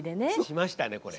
しましたねこれ。